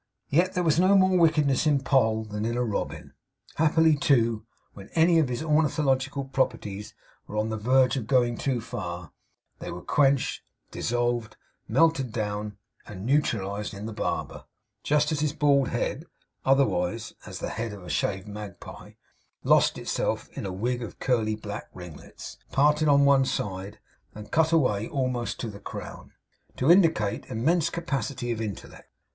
Yet there was no more wickedness in Poll than in a robin. Happily, too, when any of his ornithological properties were on the verge of going too far, they were quenched, dissolved, melted down, and neutralised in the barber; just as his bald head otherwise, as the head of a shaved magpie lost itself in a wig of curly black ringlets, parted on one side, and cut away almost to the crown, to indicate immense capacity of intellect.